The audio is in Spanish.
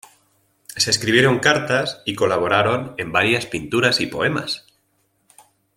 Se escribieron cartas, y colaboraron en varias pinturas y poemas.